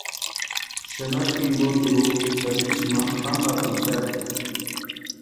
Xanharu jimpo turhumpa sapichu ma jantatixapti.